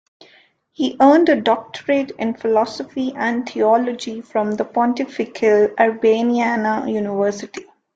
He earned a doctorate in philosophy and in theology from the Pontifical Urbaniana University.